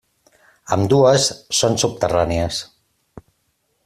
Ambdues són subterrànies.